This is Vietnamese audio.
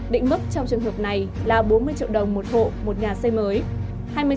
định mức trong trường hợp này là bốn mươi triệu đồng một hộ một nhà xây mới